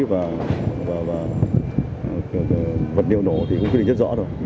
và vật liệu nổ thì cũng quy định rất rõ rồi